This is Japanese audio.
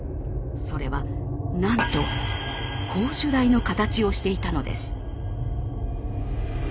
それはなんと絞首台の形をしていたのです。